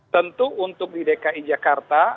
tentu untuk di dki jakarta